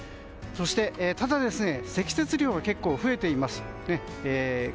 そして、ただ積雪量は結構増えています。